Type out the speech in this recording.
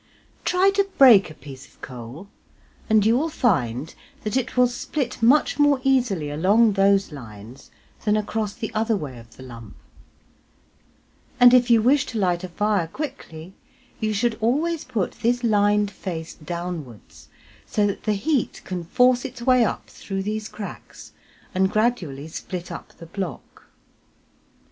Try to break a piece of coal, and you will find that it will split much more easily along those lines than across the other way of the lump; and if you wish to light a fire quickly you should always put this lined face downwards so that the heat can force its way up through these cracks and gradually split up the block.